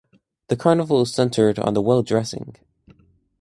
The carnival is centred on the well dressing.